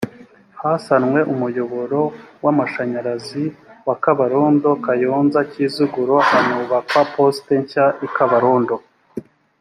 hasanwe umuyoboro w amashanyarazi wa kabarondo kayonza kiziguro hanubakwa poste nshya i kabarondo